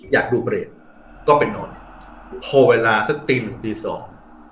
อยากดูเบรกก็ไปนอนพอเวลาสักตีหนึ่งตีสอง